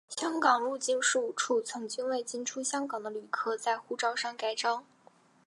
香港入境事务处曾经为进出香港的旅客在护照上盖章。